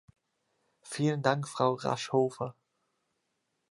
Vielen Dank, Frau Raschhofer!